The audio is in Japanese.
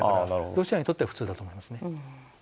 ロシアにとっては普通だと思います。